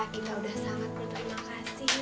kita sudah sangat berterima kasih